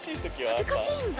恥ずかしいんだ？